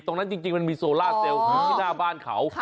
ตรงนั้นจริงมันมีโซล่าเซลล์อยู่ที่หน้าบ้านเขา